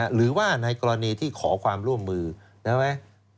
หรือว่าในกรณีที่ขอความร่วมมือใช่ไหม